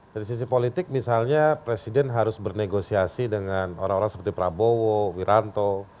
dari sisi politik misalnya presiden harus bernegosiasi dengan orang orang seperti prabowo wiranto